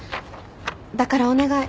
だからお願い。